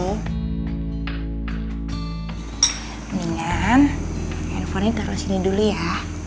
mendingan handphonenya taruh sini dulu ya